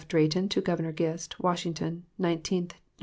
DRAYTON TO GOVERNOR GIST. WASHINGTON, 19th Nov.